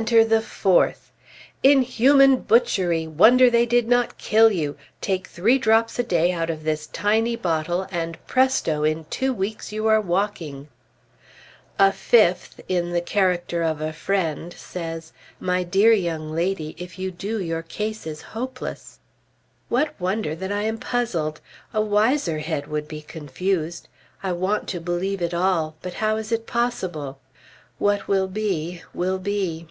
Enter the fourth. Inhuman butchery! wonder they did not kill you! Take three drops a day out of this tiny bottle, and presto! in two weeks you are walking! A fifth, in the character of a friend, says, "My dear young lady, if you do, your case is hopeless." What wonder that I am puzzled? A wiser head would be confused. I want to believe all, but how is it possible? "What will be, will be."